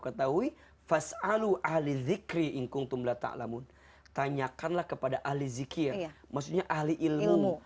ketahui fasalu al ziqri ingkung tumla ta'lamun tanyakanlah kepada al zikir maksudnya ahli ilmu